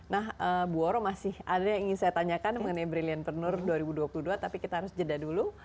nah bu waro masih ada yang ingin saya tanyakan mengenai brilliantpreneur dua ribu dua puluh dua tapi kita harus jeda dulu